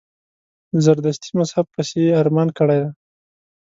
د زردشتي مذهب پسي یې ارمان کړی دی.